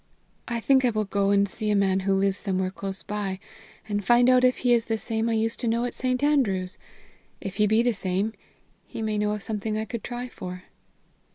I think I will go and see a man who lives somewhere close by, and find out if he is the same I used to know at St. Andrews; if he be the same, he may know of something I could try for."